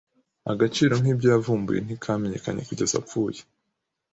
Agaciro k'ibyo yavumbuye ntikamenyekanye kugeza apfuye.